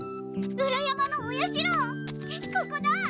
裏山のお社ここだ！